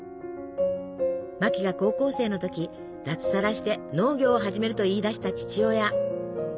マキが高校生の時脱サラして農業を始めると言い出した父親。